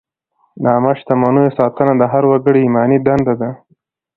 د عامه شتمنیو ساتنه د هر وګړي ایماني دنده ده.